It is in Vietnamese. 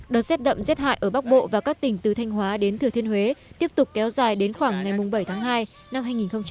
đợt rét đậm rét hại ở bắc bộ và các tỉnh từ thanh hóa đến thừa thiên huế tiếp tục kéo dài đến khoảng ngày bảy tháng hai năm hai nghìn hai mươi